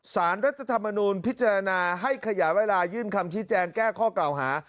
สารรัฐธรรมนูลพิจารณาให้ขยายเวลายื่นคำชี้แจงแก้ข้อกล่าวหา